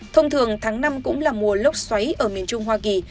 thông thường tháng năm cũng là mùa lốc xoáy ở miền trung hoa kỳ